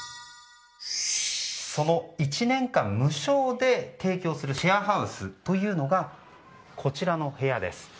その１年間無償で提供するシェアハウスというのがこちらの部屋です。